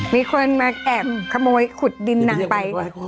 มีคนมาแอบขโมยขุดดินนางไป